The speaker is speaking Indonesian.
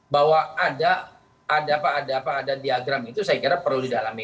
bahwa ada apa apa ada diagram itu saya kira perlu didalami